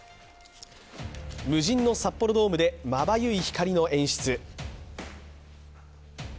無人の札幌ドームでまばゆい光の演出。